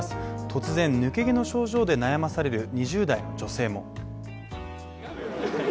突然、抜け毛の症状で悩まされる２０代の女性も。